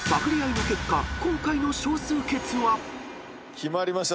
決まりました。